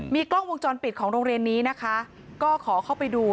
กล้องวงจรปิดของโรงเรียนนี้นะคะก็ขอเข้าไปดู